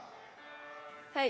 はい。